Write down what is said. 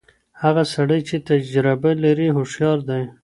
هغه سړی چي تجربه لري هوښیار دی.